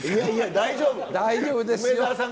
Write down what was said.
大丈夫ですよ。